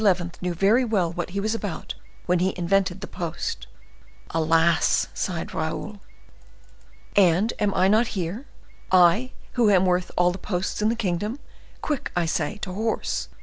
knew very well what he was about when he invented the post." "Alas!" sighed Raoul. "And am I not here—I, who am worth all the posts in the kingdom? Quick, I say, to horse!